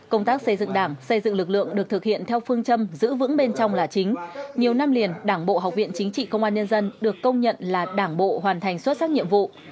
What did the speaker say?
công tác xây dựng đảng xây dựng lực lượng được thực hiện theo phương châm giữ vững bên trong là chính nhiều năm liền đảng bộ học viện chính trị công an nhân dân được công nhận là đảng bộ hoàn thành xuất sắc nhiệm vụ